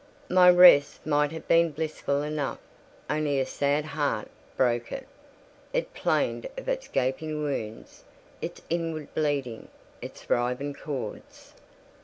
My rest might have been blissful enough, only a sad heart broke it. It plained of its gaping wounds, its inward bleeding, its riven chords.